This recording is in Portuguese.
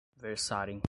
versarem